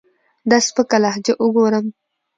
دا سپکه لهجه اوګورم